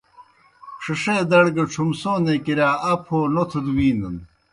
ݜِݜے دڑ گہ چُھمسونے کِرِیا اپوْ ہو نوتھوْ دہ وِینَن۔